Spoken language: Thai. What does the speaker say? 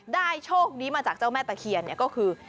โชคนี้มาจากเจ้าแม่ตะเคียนก็คือ